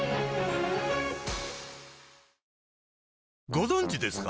ご存知ですか？